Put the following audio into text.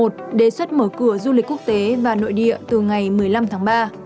đề xuất mở cửa du lịch quốc tế và nội địa từ ngày một mươi năm tháng ba